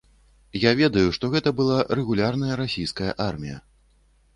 Я ведаю, што гэта была рэгулярная расійская армія.